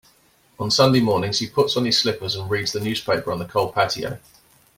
On Sunday mornings, he puts on his slippers and reads the newspaper on the cold patio.